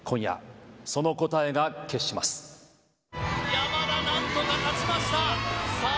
山田何とか勝ちましたさあ